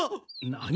なに？